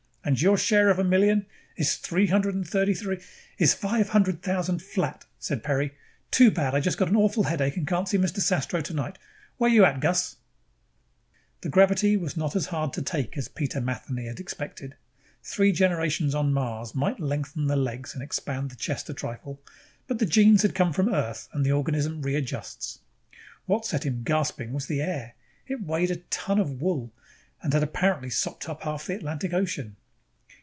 And your share of a million is three hundred thirty three " "Is five hundred thousand flat," said Peri. "Too bad I just got an awful headache and can't see Mr. Sastro tonight. Where you at, Gus?" The gravity was not as hard to take as Peter Matheny had expected. Three generations on Mars might lengthen the legs and expand the chest a trifle, but the genes had come from Earth and the organism readjusts. What set him gasping was the air. It weighed like a ton of wool and had apparently sopped up half the Atlantic Ocean.